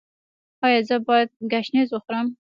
ایا زه باید ګشنیز وخورم؟